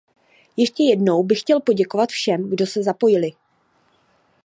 Ještě jednou bych chtěl poděkovat všem, kdo se zapojili.